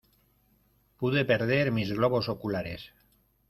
Pude perder mis globos oculares...